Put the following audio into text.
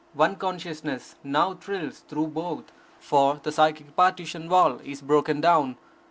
One consciousness now thrills through both, for the psychic partition wall is broken down.